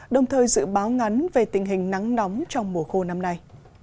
đồng thời dự báo ngắn về tình hình nắng nóng trong mùa khô năm nay